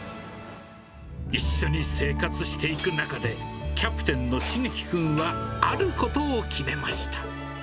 一緒に生活していく中で、キャプテンのしげき君は、あることを決めました。